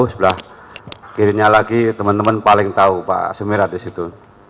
sebelah kirimnya lagi teman teman paling tahu pak sumirat di situ